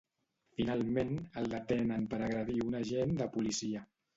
Finalment, el detenen per agredir un agent de policia.